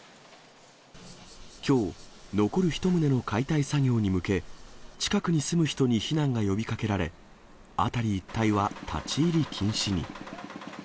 きょう、残る１棟の解体作業に向け、近くに住む人に避難が呼びかけられ、辺り一帯は立ち入り禁止に。